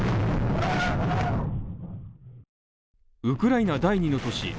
ウクライナ第２の都市